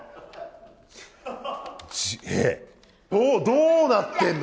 どうなってんだ？